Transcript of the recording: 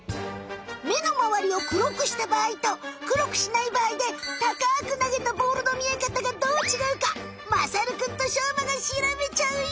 目のまわりを黒くしたばあいと黒くしないばあいでたかくなげたボールの見えかたがどうちがうかまさるくんとしょうまがしらべちゃうよ。